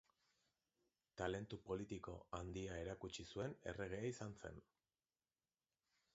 Talentu politiko handia erakutsi zuen erregea izan zen.